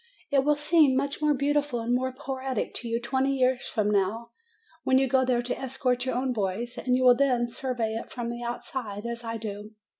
It will seem much more beautiful and more poetic to you twenty years from now, when you go there to escort your own boys ; and you will then survey it from the outside, as I do.